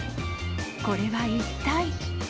これは一体？